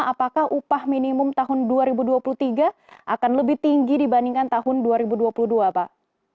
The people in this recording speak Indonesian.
apakah upah minimum tahun dua ribu dua puluh tiga akan lebih tinggi dibandingkan tahun dua ribu dua puluh dua pak